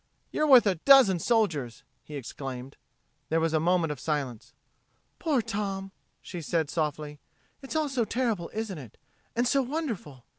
"You're worth a dozen soldiers!" he exclaimed. There was a moment of silence. "Poor Tom!" she said softly. "It's all so terrible, isn't it? And so wonderful!